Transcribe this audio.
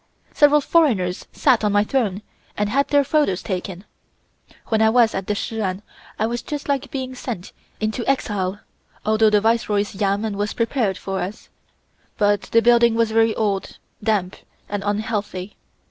Several foreigners sat on my throne and had their photos taken. When I was at the Shi An I was just like being sent into exile, although the Viceroy's Yamen was prepared for us, but the building was very old, damp and unhealthy.